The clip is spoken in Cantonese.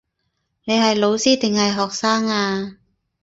你係老師定係學生呀